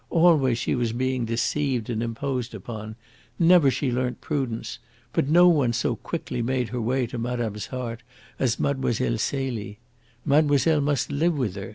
Always she was being deceived and imposed upon. Never she learnt prudence. But no one so quickly made her way to madame's heart as Mlle. Celie. Mademoiselle must live with her.